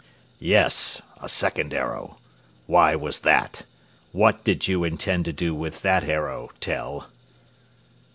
"Yes, a second arrow. Why was that? What did you intend to do with that arrow, Tell?"